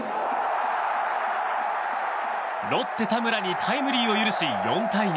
ロッテ、田村にタイムリーを許し４対２。